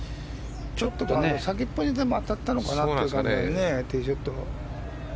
先っぽにでも当たったのかなという感じがねティーショットが。